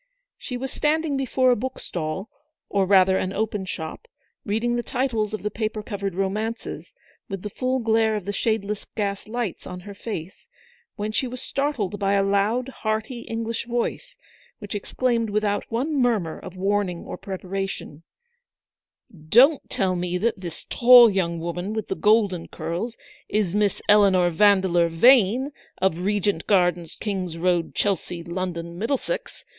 She was standing before a book stall, or rather an open shop, reading the titles of the paper covered romances, with the full glare of the shadeless gas lights on her face, when she was startled by a loud, hearty English voice, which exclaimed without one murmur of warning or preparation : 96 ELEANOR'S VICTORY. "Don't tell me that this tall young woman with the golden curls, is Miss Eleanor Vandeleur Vane, of Regent Gardens, King's Road, Chelsea, London, Middlesex.